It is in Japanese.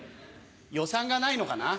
予算がないのかな？